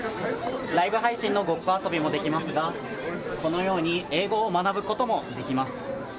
ライブ配信のごっこ遊びもできますがこのように英語を学ぶこともできます。